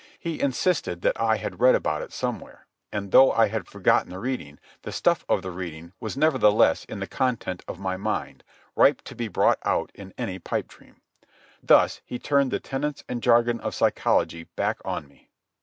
He insisted that I had read about it somewhere, and, though I had forgotten the reading, the stuff of the reading was nevertheless in the content of my mind, ripe to be brought out in any pipe dream. Thus he turned the tenets and jargon of psychology back on me.